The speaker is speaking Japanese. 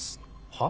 は？